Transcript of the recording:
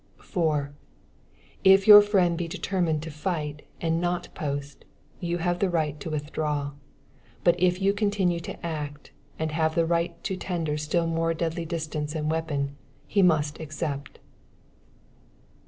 4. If your friend be determined to fight and not post, you have the right to withdraw. But if you continue to act, and have the right to tender a still more deadly distance and weapon, and he must accept.